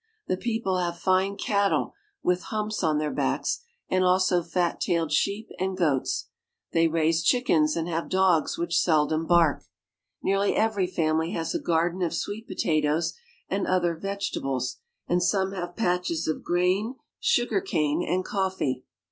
The people have fine cattle, with humps on their backs, and also fat tailed sheep and goats. They raise chickens, and have dogs which seldom bark. Nearly every family has a garden of sweet potatoes and other IN UGANDA 147 ' vegetables, and some have patches of grain, sugar cane, and coffee.